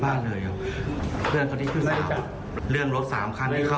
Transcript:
ไม่เคยไม่ได้คุยเรื่องนั้นนั้นหรอก